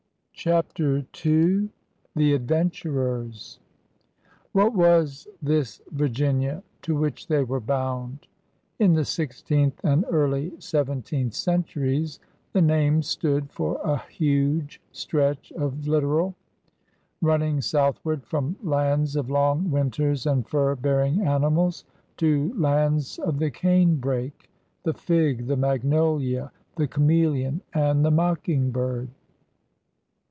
CHAPTER n THE ADVENTUREBS What was this Virginia to which they were bound? In the sixteenth and early seventeenth centuries the name stood for a huge stretch of littoral, running southward from lands of long winters and fur bearing animals to lands of the canebrake, the fig, the magnolia, the chameleon, and the moddng. bird.